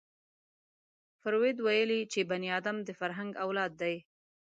فروید ویلي چې بني ادم د فرهنګ اولاد دی